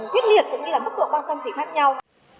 quyết liệt cũng như là mức độ quan tâm thì khác nhau